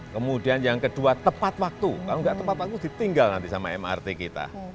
kemudian yang kedua tepat waktu kalau nggak tepat waktu ditinggal nanti sama mrt kita